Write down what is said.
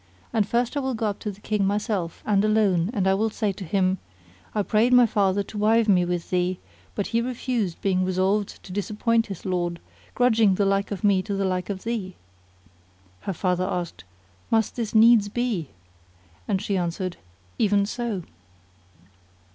And first I will go up to the King myself and alone and I will say to him:—I prayed my father to wive me with thee, but he refused being resolved to disappoint his lord, grudging the like of me to the like of thee." Her father asked, "Must this needs be?" and she answered, "Even so."